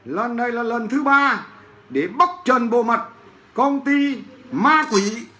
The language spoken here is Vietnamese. lần này là lần thứ ba để bóc trần bồ mặt công ty ma quỷ